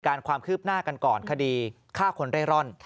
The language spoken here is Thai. ความคืบหน้ากันก่อนคดีฆ่าคนเร่ร่อน